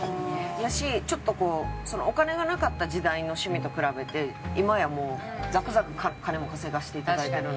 やしちょっとお金がなかった時代の趣味と比べて今やもうザクザク金も稼がせていただいてるので。